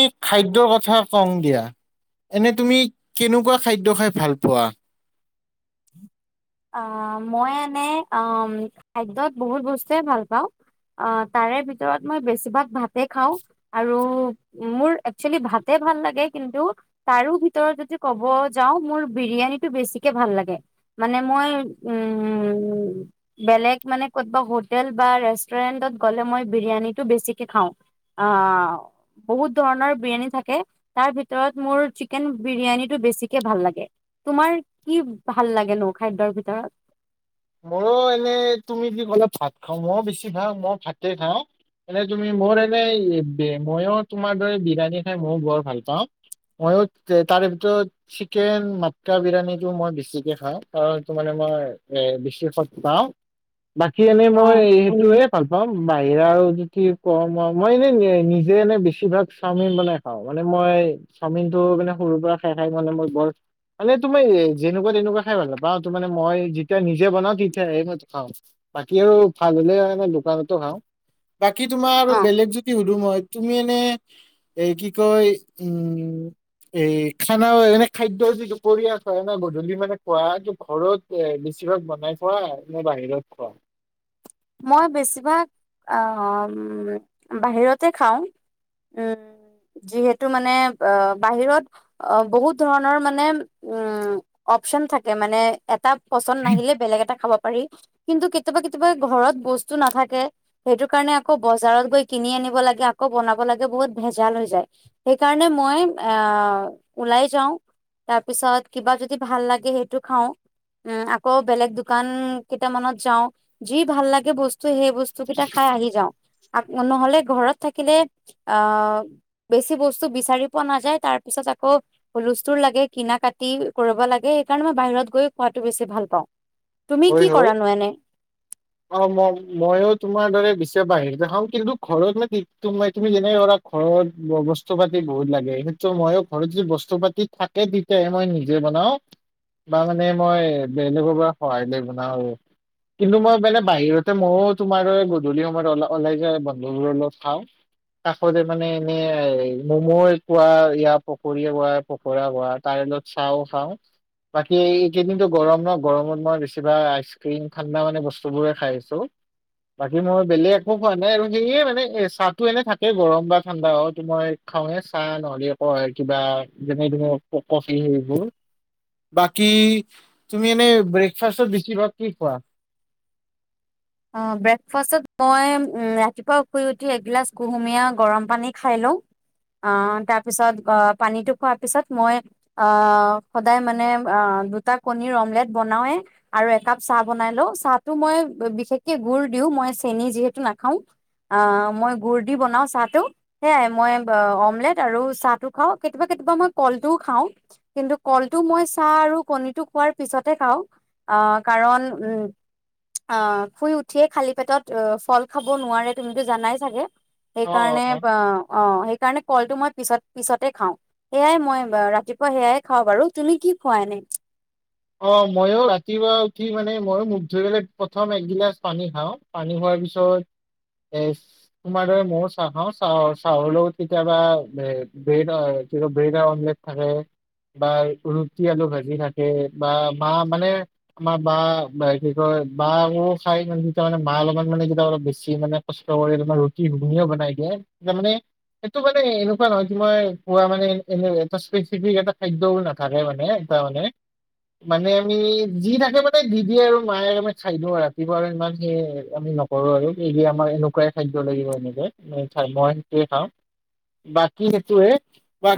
ই খাদ্যৰ কথা কং দিয়া, এনে তুমি কেনেকুৱা খাদ্য খাই ভাল পোৱা? আ, মই এনে আম, খাদ্যত বহুত বস্তুৱে ভাল পাওঁ তাৰে ভিতৰত মই বেছিভাগ ভাতে খাওঁ আৰু মোৰ একচুৱেলী ভাতে ভাল লাগে, কিন্তু তাৰো ভিতৰত যদি ক'ব যাওঁ মোৰ বিৰিয়ানীটো বেছিকে ভাল লাগে। মানে মই উম, বেলেগ মানে কতবা হোটেল বা ৰেষ্টুৰেন্টত গ'লে মই বিৰিয়ানীটো বেছিকে খাওঁ, অ', বহুত ধৰণৰ বিৰিয়ানী থাকে তাৰ ভিতৰত মোৰ চিকেন বিৰিয়ানীটো বেছিকে ভাল লাগে, তোমাৰ কি ভাল লাগেনো? খাদ্যৰ ভিতৰত মইও এনে তুমি কি ক'লা ভাত খাওঁ ময়ো বেছি ভাগ মই ভাতে খাওঁ, এনে তুমি মোৰ এনে মইো তোমাৰ দৰে বিৰিয়ানী খাই মইও বৰ ভাল পাওঁ মইও তাৰে ভিতৰত চিকেন মাটকা বিৰিয়ানীটো মই বেছিকে খাওঁ অ', এইটো মানে মই এ [unintelligible] বাকী এনেই মই অ', সেইটোয়ে ভাল পাম। বাহিৰাও যদি কম মই এনে নে নিজে এনে বেছিভাগ চাওমিন বনাই খাওঁ মানে মই চাওমিনটো মানে সৰুৰ পৰা খাই, খাই মানে মই বৰ মানে তুমি যেনেকুৱা তেনেকুৱা খাই ভাল নাপাওঁ এইটো মানে মই যেতিয়া যে বনাও তিঠে সেই মতে খাওঁ বাকী আৰু ভাল হ'লে দোকানতো খাওঁ। বাকী তোমাৰ আৰু অ', বেলেগ যদি সুধো মই তুমি এনে এ কি কয় উম, এ, খানা এনে খাদ্যৰ যিটো কৰি আছ গধূলি মানে খোৱা এইটো ঘৰত এ বেছিভাগ বনাই খোৱা নে বাহিৰত খোৱা? ম বেছিভাগ উম, বাহিৰতে খাওঁ, উম, যিহেতু মানে বা বাহিৰত বহুত ধৰণৰ মানে উম, অপচন থাকে মানে এটা পচন্দ নাহিলে বেলেগ এটা খাব পাৰি। কিন্তু কেতিয়াবা, কেতিয়াবা ঘৰত বস্তু নাথাকে, সেইটো কাৰণে আকৌ বজাৰত গৈ কিনি আনিব লাগে, আকৌ বনাব লাগে বহুত ভেজাল হৈ যায়, সেইকাৰণে মই অ', ওলাই যাওঁ তাৰ পিছত কিবা যদি ভাল লাগে, সেইটো খাওঁ, উম, আকৌ বেলেগ দোকান কেইটামানত যাওঁ। জি ভাল লাগে বস্ তু সেই বস্তু কেইটা খাই আহি যাওঁ। আক' নহ'লে ঘৰত থাকিলে অ', বেছি বস্তু বিচাৰি পোৱা নাযায় তাৰ পিছত আকৌ হুলস্থুল লাগে কিনা কাটি কৰিব লাগে সেইকাৰণে মই বাহিৰত গৈ খোৱাটো বেছি ভাল পাওঁ। তুমি হয় কি হয় কৰানো এনে? অ', ম, মইও তোমাৰ দৰে বেছিভাগ বাহিৰতে খাও, কিন্তু ঘৰত মান তুমি যেনেকে ধৰা ঘৰত বস্তু পাতি বহুত লাগে সেই ময়ো ঘৰত যদি বস্তু পাতি থাকে তেতিয়াহে মই নিজে বনাওঁ বা মানে মই বেলেগৰ পৰা সহায় লৈ বনাও আৰু, কিন্তু মই মানে বাহিৰতে মইয়ো তোমাৰ দৰে গধূলি সময়ত অল ওলাই যায় বন্ধবোৰৰ লগত খাওঁ, কাষতে মানে এনে মমো কোৱা য়া পকৰিয়ে কোৱা পকৰা কোৱা তাৰে লগত চাহো খাওঁ, বাকী এইকেইদিনো গৰম ন গৰমত মই বেছিভাগ আইচক্ৰীম ঠাণ্ডা মানে বস্তু চবৰে খাইছো বাকী মই বেলেগ একো খোৱা নাই আৰু সেয়ে মানে এ চাহটো এনে থাকেই গৰম বা ঠাণ্ডা হ মই খাওঁৱে চাহ নহ'লে আকৌ কিবা যেনে তেনে কফি সেইবোৰ, বাকি তুমি এনে ব্ৰেকফাষ্টত বেছিভাগ কি খোৱা? অ' ব্ৰেকফাষ্টত মই উম ৰাতিপুৱা শুই উঠি এগিলাচ কুহুমীয়া গৰম পানী খাই লওঁ। আহ তাৰপিছত আ পানীটো খোৱাৰ পিছত মই আহ সদায় মানে আ দুটা কণীৰ অমলেট বনাওৱে আৰু একাপ চাহ বনাই লওঁ। চাহটো মই বিশেষ [unintelligible] গুড় দিও মই চেনি যিহেতু নাখাও অ মই গুড় দি বনাও চাহটো। সেয়াই মই অমলেট আৰু চাহটো খাওঁ কেতিয়াবা কেতিয়াবা মই কলটোও খাওঁ কিন্তু কলটো মই চাহ আৰু কণীটো খোৱাৰ পিছতে খাওঁ। অ' কাৰণ উ শুই উঠিয়ে খালী পেটত অ ফল খাব নোৱাৰে। তুমিতো জানাই চাগে? অ অ সেইকাৰণে আ অ সেইকাৰণে কলটো মই পিছত পিছতে খাওঁ সেয়াই মই ৰাতিপুৱা সেয়াই খাওঁ বাৰু। তুমি কি খোৱা এনে? অ মইও ৰাতিপুৱা উঠি মানে মইও মুখ ধুই পেলাই প্ৰথম একগিলাচ পানী খাওঁ, পানী খোৱাৰ পিছত এ তোমাৰ দৰে ময়ো চাহ খাওঁ, চাহৰ লগত কেতিয়াবা ব্ৰেড বা কিবা ব্ৰেডৰ অমলেট থাকে বা ৰুটি আলু ভাজি থাকে। বা মা মানে আমাৰ বা কি কয় বা মোৰ চাৰিজনী। তাৰমানে মা লগত মানে যেতিয়া অলপ বেছি মানে কষ্ট কৰি ৰুটিও ঘুগনীও বনাই দিয়ে। সেইটো মানে এনেকুৱা নহয় কি মই খোৱা মানে এনে এটা স্পেচিফিক এটা খাদ্যও নাথাকে মানে এটা মানে মানে আমি যি থাকে মানে দি দিয়ে আৰু মায়ে আমি খাই দিওঁ আৰু ৰাতিপুৱা আৰু ইমান সি আমি নকৰো আৰু এই আমাৰ এনেকুৱাই খাদ্য লাগিব এনেকে মই সেইটোৱে খাওঁ। বাকী সেইটোৱে।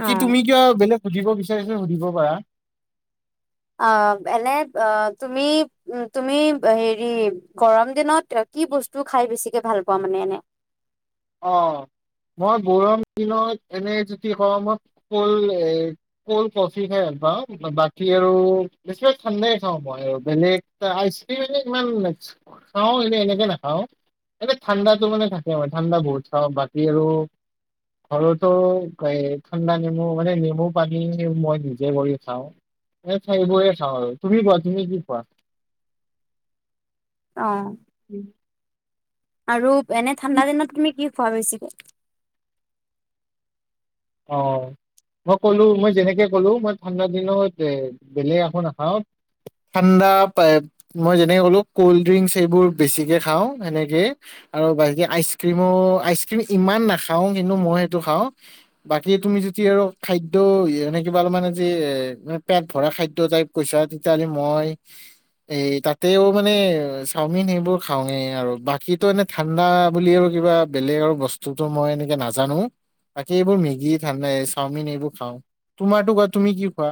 অ তুমি কিবা বেলেগ সুধিব বিচাৰিছা, সুধিব পাৰা। অ' এনে অ'তুমি উম তুমি হেৰি গৰম দিনত কি বস্তু খাই বেছিকে ভাল পোৱা মানে এনে? অ' মই গৰম দিনত এনেই যদি কওঁ মই ক'ল্ড এই ক'ল্ড কফি খাই ভাল পাওঁ। বাকী আৰু বেছিভাগ ঠাণ্ডাই খাওঁ মই আৰু বেলেগ আইচক্ৰীম এনে ইমান খাওঁ এনে এনেকে নাখাওঁ। এ ঠাণ্ডাটো মানে থাকে মানে। ঠাণ্ডা বহুত খাওঁ বাকী আৰু ঘৰতো এই ঠাণ্ডা নেমু মানে নেমু পানী মই নিজে কৰি খাওঁ। এইবোৰে খাওঁ আৰু তুমি কোৱা তুমি কি খোৱা? অ আৰু এনে ঠাণ্ডা দিনত তুমি কি খোৱা বেছিকৈ। অ মই ক'লো মই যেনেকে ক'লো মই ঠাণ্ডা দিনত বেলেগ আকৌ নাখাওঁ ঠাণ্ডা মই যেনেকে ক'লো কল্ড ড্ৰিংকচ সেইবোৰ বেছিকে খাওঁ সেনেকেই আৰু বাকী আইচক্ৰীমো আইচক্ৰীম ইমান নাখাওঁ কিন্তু মই সেইটো খাওঁ। বাকী তুমি যদি আৰু খাদ্য এনে কিবা অলপ মান আজি পেট ভৰা খাদ্য টাইপ কৈছা তেতিয়াহলি মই এই তাতেও মানে চাওমিন সেইবোৰ খাওঁৱেই আৰু বাকীটো এনে ঠাণ্ডা বুলি আৰু কিবা বেলেগ আৰু বস্তুতো মই এনেকে নাজানো বাকী এইবোৰ যি ঠাণ্ডা চাওমিন এইবোৰ খাওঁ তোমাৰো কোৱা তুমি কি খোৱা?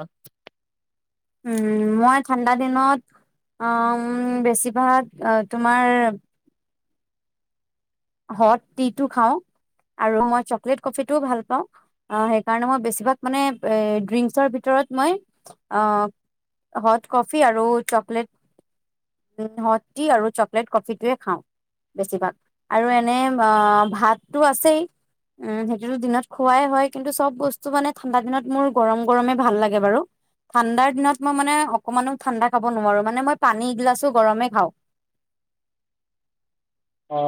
উম, মই ঠাণ্ডা দিনত উম, বেছিভাগ তোমাৰ হট টিটো খাওঁ আৰু মই চকলেট কফিটোও ভাল পাওঁ। সেইকাৰণে মই বেছিভাগ মানে ড্ৰিংকচৰ ভিতৰত মই হট কফি আৰু চকলেট হট টি আৰু চকলেট কফিটোৱে খাওঁ বেছিভাগ। আৰু এনে ভাতটো আছেই উম সেইটোতো দিনত খোৱাই হয়। কিন্তু চব বস্তু মানে ঠাণ্ডা দিনত মোৰ গৰম গৰমে ভাল লাগে বাৰু ঠাণ্ডাৰ দিনত মই মানে অকমানো ঠাণ্ডা খাব নোৱাৰো। মানে মই পানী এগিলাছো গৰমে খাওঁ। অ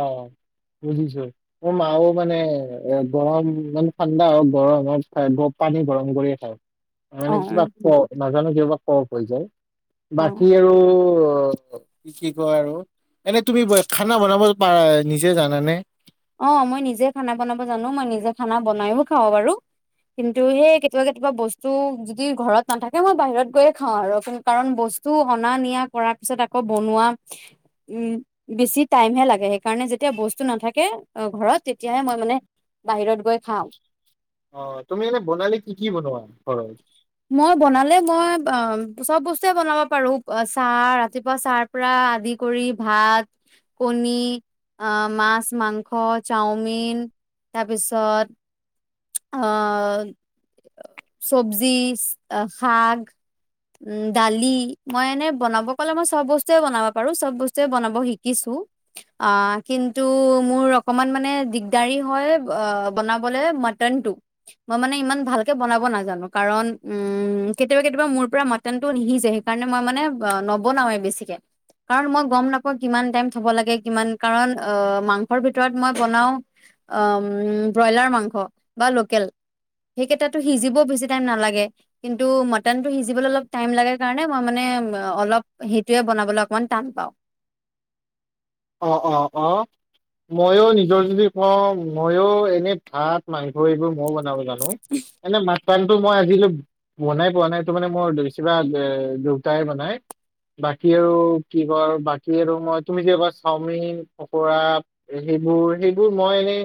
বুজিছো মোৰ মাও মানে এ গৰম মানে ঠাণ্ডা হওঁক গৰম হওঁক পানী গৰম কৰিয়ে খাই। অ মানে কিবা ক নাজানো ক বা ক হৈ যায় অ বাকী আৰু। অ'। কি কয় আৰু এনে তুমি ব খানা বনাব পাৰা নিজে জানানে? অ', মই নিজে খানা বনাব জানো মই নিজে খানা বনাইও খাওঁ বাৰু কিন্তু সেই কেতিয়াবা কেতিয়াবা বস্তু যদি ঘৰত নাথাকে মই বাহিৰত গৈয়ে খাওঁ আৰু কাৰণ বস্তু অনা নিয়া কৰাৰ পিছত আকৌ বনোৱা উম, বেছি টাইমহে লাগে সেইকাৰণে যেতিয়া বস্তু নাথাকে অ', ঘৰত তেতিয়াহে মই মানে বাহিৰত গৈ খাওঁ। অ', তুমি এনে বনালি কি কি বনোৱা? ঘৰত? মই বনালে মই অ' চব বস্তুৱে বনাব পাৰোঁ চাহ ৰাতিপুৱা চাহ পৰা আদি কৰি ভাত কণী আহ মাছ মাংস চাওমিন তাৰপিছত অ', চব্জি, শাক, দালি মই এনে বনাব ক'লে মই চব বস্তুৱে বনাব পাৰো চব বস্তুৱে বনাব শিকিছো আহ, কিন্তু মোৰ অকমান মানে দিগদাৰি হয় বনাবলৈ ম মটন টো মই মানে ইমান ভালকে বনাব নাজানো কাৰণ উম, কেতিয়াবা কেতিয়াবা মোৰ পৰা মটনটো নিসিজে সেইকাৰণে মই মানে নবনাওেই বেছিকে কাৰণ মই গম নাপাওঁ কিমান টাইম থব লাগে কিমান কাৰণ মাংসৰ ভিতৰত মই বনাও ব্ৰইলাৰ মাংস। বা লোকেল সেইকেইটাটো সিজিব বেছি টাইম নালাগে কিন্তু মটনটো সিজিবলৈ অলপ টাইম লাগে কাৰণে মই মানে অলপ সেইটোৱে বনাবলৈ অকমান টান পাওঁ। অ', অ', অ', ময়ো নিজৰ যদি কওঁ ময়ো এনে ভাত মাংস এইবোৰ ময়ো বনাব জানো। এনে মা পানটো মই আজিলৈ বনাই পোৱা নাই সেইটো মানে মোৰ বেছিবা দুতাই বনাই বাকী আৰু কি কৰ বাকী আৰু মই তুমি যে কচ চাওমিন, পকোৰা সেইবোৰ সেইবোৰ মই এনেই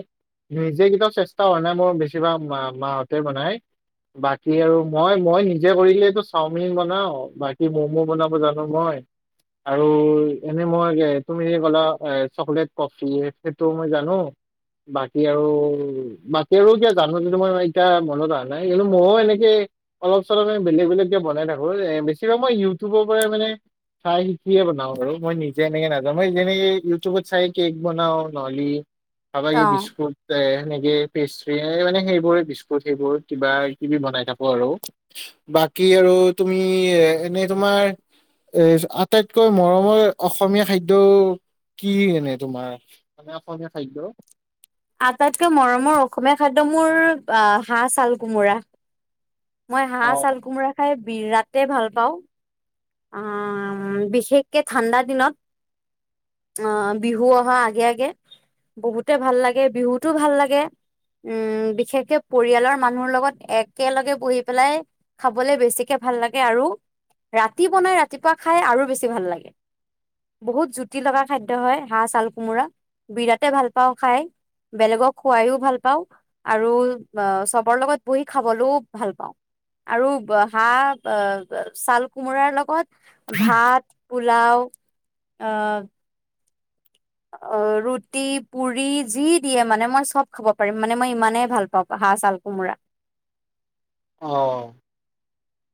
নিজে কেইটাও চেষ্টা কৰা নাই মোৰ বেছিভাগ মা মাহতে বনাই বাকী আৰু মই-মই নিজে কৰিলে এইটো চাওমিন বনাওঁ বাকী ম'মো বনাব জানো মই আৰু এনে মই এই কল এ বনাওঁ চকলেট কফি সেইটো মই জানো বাকী আৰু বাকী আৰু কিবা জানো যদি মই এতিয়া মনত অহা নাই কিন্তু মইয়ো এনেকে অলপ চলপ বেলেগ বেলেগ কে বনাই থাকো এ বেছিভাগ মই ইউটিউবৰ পৰাই মানে চাই শিকিয়ে বনাওঁ বাৰু মই নিজে এনেকে নাজ ত মই যেনেক ইউটউবত চাই কেক বনাওঁ নহলি আবাগে অ বছকুছে তে কে পেষ্ট্ৰি মানে সেইবোৰে বিস্কুট সেইবোৰ কিবা কিবি বনাই থাকো আৰু, বাকী আৰু তুমি এনেই তোমাৰ এ আটাইতকৈ মৰমৰ অসমীয়া খাদ্য টো কি এনে তোমাৰ মে অসমীয়া খাদ্য আটাইতকৈ মৰমৰ অসমীয়া খাদ্য মোৰ আহ, হাঁহ চাল কোমোৰা। মই হাঁহ অ চাল কোমোৰা খাই বিৰাতে ভাল পাওঁ। আহ, বিশেষকে ঠাণ্ডা দিনত আহ বিহু অহা আগে আগে বহুতে ভাল লাগে বিহুতো ভাল লাগে উম, বিশেষকে পৰিয়ালৰ মানুহৰ লগত একেলগে বহি পেলাই খাবলে বেছিকে ভাল লাগে আৰু ৰাত ৰাতি বনাই ৰাতিপুৱা খাই আৰু বেছি ভাল লাগে বহুত জুতি লগা খাদ্য হয় হাঁহ চাল কোমোৰা বিৰাটে ভাল পাওঁ খাই বেলেগক খোৱাইও ভাল পাওঁ আৰু চবৰ লগত বহি খাবলৈও ভাল পাওঁ আৰু হাঁহ আহ চাল টি কোমোৰাৰ লগত ভাত, পোলাও অ'। অ', ৰুটি, পুৰি যি দিয়ে মানে মই চব খাব পাৰিম মানে মই ইমানেই ভাল পাওঁ, হাঁহ চাল কোমোৰা। অ'।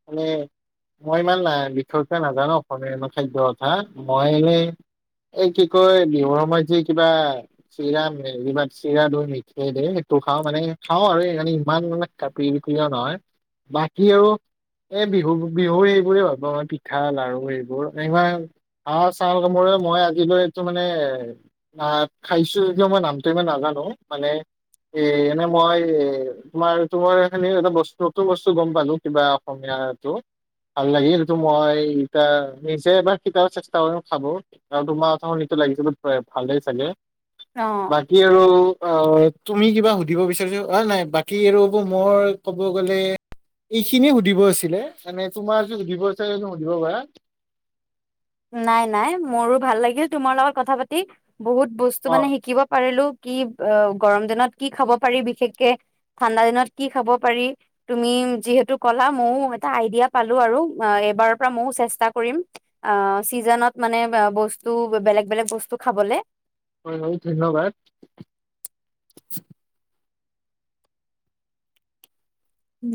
মানে মই ইমান বিশষকৈ নাজানো অসমীয়া কথা এটা কথা মই এনেই এই কি কয় বিহুৰ সময়ত যি মানে মই ইমান বিশেষ কৈ নাজানো অসমীয়াৰ খাদ্য কথা মই এনে এ কি কয় বিহৰ সময়ত যে কিবা চিৰা মেৰিিব চিৰাদৈ মিঠাই দিয়ে সেইটো খাওঁ মানে খাওঁ আৰু এই খিনি ইমান মানে প্ৰিয় নহয় বাকী আৰু এ বিহু-বিহুৰ এইেইবোৰে ভাল পাওঁ মই পিঠা লাৰু এইবোৰ‌ হাঁহ চাউল কোমোৰা মই আজিলৈকে এইটো মানে ন খাইছো যদিও মই নামটো ইমান নাজানো মানে এ এনে মই তোমাৰ তোমাৰ এটা বস্তু নতুন বস্তু গম পালো কিবা- অসমীয়াটো ভাল লাগিল সেইটো মই ইতা নিজে এবাৰ কিবা এটা চেষ্টা কৰিম চাবৰ আৰু তোমাৰ কথা শনিত লাগি যাব পাৰে ভালেই চাগে। অ বাকী আৰু অ', তুমি কিবা সুধিব বিচাৰিছা অ', নাই বাকী আৰু মোৰ ক'ব গ'লে এই খিনি হয় নাই বাকী ৰব মই ক'ব গ'লে এইখিনি সুধিব আছিলে মানে তোমাৰ যে সুধিব আছে সুধিব পাৰা। নাই, নাই মোৰো ভাল লাগিল তোমাৰ লগত কথা পাতি। বহুত বস্তু অ মানে শিকিব পৰিলোঁ। কি অ গৰম দিনত কি খাব পাৰি বিশেষকে, ঠাণ্ডা দিনত কি খাব পাৰি, তুমি যিহেতু কলা মও এটা আইডিয়া পালো আৰু এবাৰৰ পৰা মও চেষ্টা কৰিম অ', চিজনত মানে আ বস্তু বেলেগ বেলেগ বস্তু খাবলে। হয় হয় ধন্যবাদ। উম।